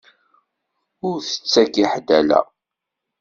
Ur tettak i ḥed ala.